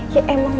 ya emang bagus ini